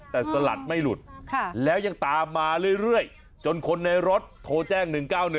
แต่สลัดไม่หลุดแล้วยังตามมาเรื่อยจนคนในรถโทรแจ้ง๑๙๑